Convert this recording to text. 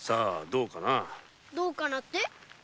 「どうかな」って？